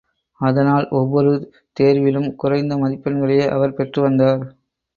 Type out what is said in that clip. அதனால், ஒவ்வொரு தேர்விலும் குறைந்த மதிப்பெண்களையே அவர் பெற்று வந்தார்.